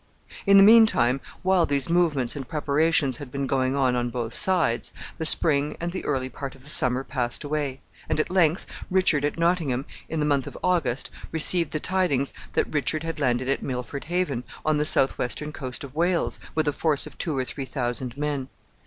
In the mean time, while these movements and preparations had been going on on both sides, the spring and the early part of the summer passed away, and at length Richard, at Nottingham, in the month of August, received the tidings that Richmond had landed at Milford Haven, on the southwestern coast of Wales, with a force of two or three thousand men.